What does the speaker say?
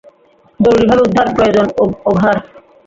জরুরিভাবে উদ্ধার প্রয়োজন, ওভার।